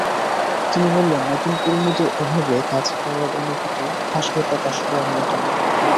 তিনি বললেন, নতুন-পুরোনোদের এভাবে কাছে পাওয়ার অনুভূতি ভাষায় প্রকাশ করার মতো নয়।